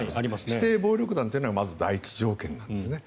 指定暴力団というのはまず第一条件なんですね。